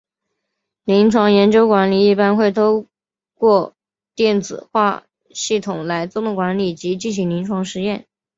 临床研究管理一般会透过电子化系统来自动管理及进行临床试验。